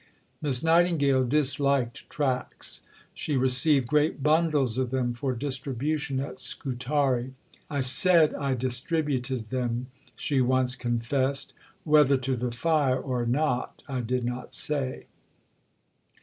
Miss Nightingale disliked tracts. She received great bundles of them for distribution at Scutari. "I said I distributed them," she once confessed, "whether to the fire or not, I did not say."